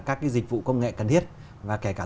các dịch vụ công nghệ cần thiết và kể cả